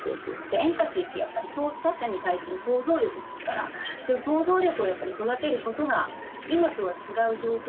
エンパシーってやっぱり他者に対する想像力ですからそういう想像力をやっぱり育てることが今とは違う状況